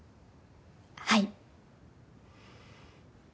はい。